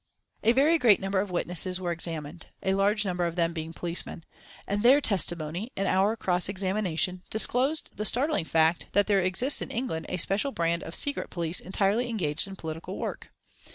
A very great number of witnesses were examined, a large number of them being policemen, and their testimony, and our cross examination disclosed the startling fact that there exists in England a special band of secret police entirely engaged in political work.